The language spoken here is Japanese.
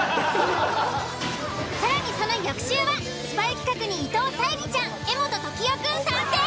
更にその翌週はスパイ企画に伊藤沙莉ちゃん柄本時生くん参戦。